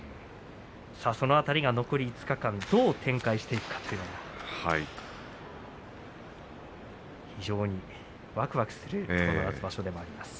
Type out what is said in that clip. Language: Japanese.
その辺りが残り５日間どう展開していくか非常にわくわくする五月場所でもあります。